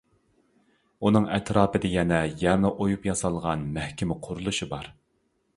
ئۇنىڭ ئەتراپىدا يەنە يەرنى ئويۇپ ياسالغان مەھكىمە قۇرۇلۇشى بار.